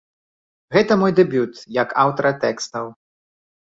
Гэта мой дэбют як аўтара тэкстаў.